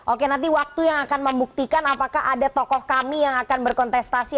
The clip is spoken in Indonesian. oke nanti waktu yang akan membuktikan apakah ada tokoh kami yang akan berkontestasi